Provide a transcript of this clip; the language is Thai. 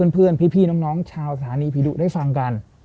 เพื่อนพี่น้องชาวสถานีผีดุได้ฟังกัน